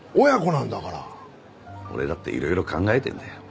俺だっていろいろ考えてるんだよ。